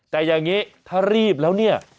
แต่อย่างนี้ถ้ารีบแล้วเนี่ย